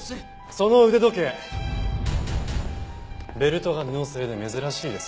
その腕時計ベルトが布製で珍しいです。